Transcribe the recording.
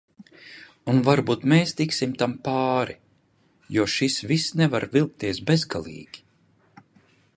Un varbūt mēs tiksim tam pāri, jo šis viss nevar vilkties bezgalīgi.